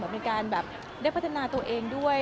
มาได้พัฒนาตัวเองด้วย